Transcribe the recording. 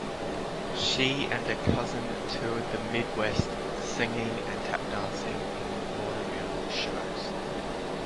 She and a cousin toured the Midwest, singing and tap-dancing in vaudeville shows.